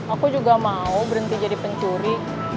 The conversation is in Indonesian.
aku juga mau berhenti jadi pencuri